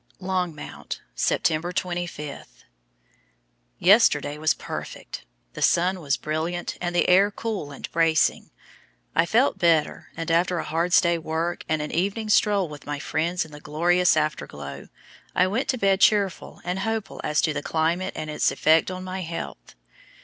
LONGMOUNT, September 25. Yesterday was perfect. The sun was brilliant and the air cool and bracing. I felt better, and after a hard day's work and an evening stroll with my friends in the glorious afterglow, I went to bed cheerful and hopeful as to the climate and its effect on my health.